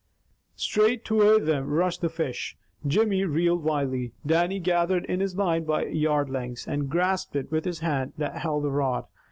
Straight toward them rushed the fish. Jimmy reeled wildly; Dannie gathered in his line by yard lengths, and grasped it with the hand that held the rod.